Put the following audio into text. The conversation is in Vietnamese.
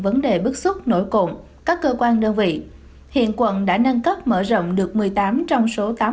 vấn đề bước xuất nổi cộn các cơ quan đơn vị hiện quận đã nâng cấp mở rộng được một mươi tám trong số tám mươi bốn